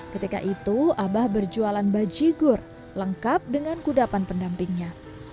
ketika itu abah berjualan bajigur lengkap dengan kudapan pendampingnya